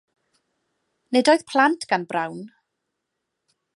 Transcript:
Nid oedd plant gan Brown.